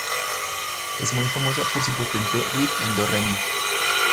Es muy famosa por su potente riff en do-re-mi.